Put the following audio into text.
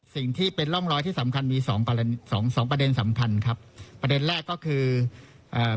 สิ่งที่เป็นร่องร้อยที่สำคัญมีสองประเด็นสำคัญครับประเด็นแรกก็คืออ่า